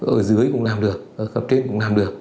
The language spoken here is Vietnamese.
ở dưới cũng làm được ở cặp trên cũng làm được